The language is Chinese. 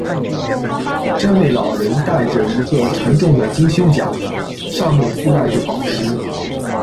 这位老人戴着一个沉重的金胸甲，上面覆盖着宝石。